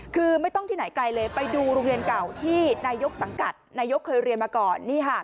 คือไม่ต้องที่ไหนไกลเลยไปดูโรงเรียนเก่าที่นายกสังกัดนายกเคยเรียนมาก่อน